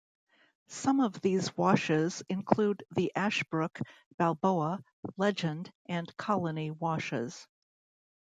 Some of these washes include the Ashbrook, Balboa, Legend, and Colony Washes.